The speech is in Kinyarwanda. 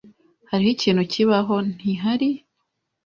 Hariho ikintu kibaho, ntihari?